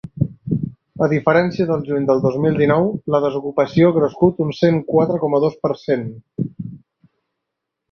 A diferència del juny del dos mil dinou, la desocupació ha crescut un cent quatre coma dos per cent.